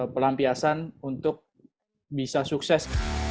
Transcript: pelampiasan untuk bisa sukses